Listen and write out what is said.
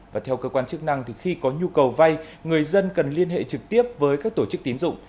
và theo cơ quan chức năng thì khi có nhu cầu vay người dân cần liên hệ trực tiếp với các tổ chức tín dụng